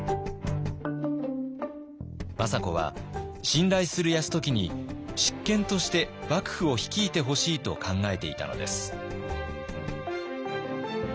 政子は信頼する泰時に執権として幕府を率いてほしいと考えていたのです。